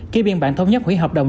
kế biên bản thông nhất hủy hợp đồng